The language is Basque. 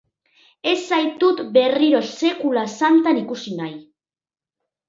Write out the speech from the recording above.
Ez zaitut berriro sekula santan ikusi nahi!